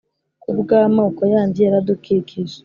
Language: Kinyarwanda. kubwa amoko yandi yaradukikije